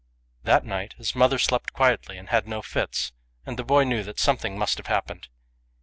That night his mother slept quietly and had no fits, and the boy knew that something must have happened.